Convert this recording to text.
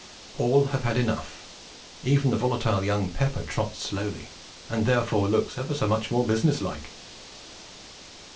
All have had enough; even the volatile young Pepper trots slowly, and therefore looks ever so much more business like.